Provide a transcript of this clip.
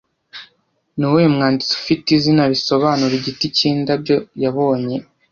Nuwuhe mwanditsi ufite izina risobanura igiti cyindabyo yabonye